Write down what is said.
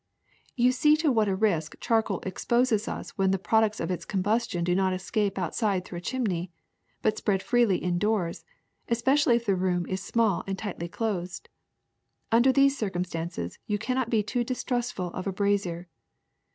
^* You see to what a risk charcoal exposes us when the products of its combustion do not escape outside through a chimney, but spread freely indoors, espe cially if the room is small and tightly closed. Under these conditions you cannot be too distrustful of a brazier.